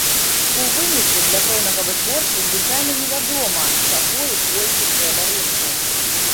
У выніку для пэўнага вытворцы звычайна невядома, чаго і колькі трэба рынку.